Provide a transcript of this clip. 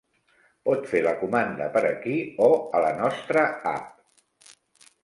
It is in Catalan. Pot fer la comanda per aquí, o a la nostra app.